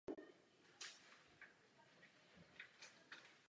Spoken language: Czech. Hradec je obklopen množstvím menších vesniček o několika stech obyvatelích.